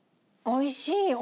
おいしい。